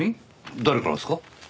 誰からですか？